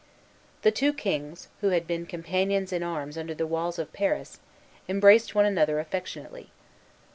The two kings, who had been companions in arms under the walls of Paris, embraced one another affectionately.